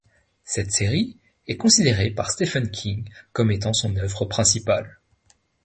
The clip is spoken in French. Cette série est considérée par Stephen King comme étant son œuvre principale.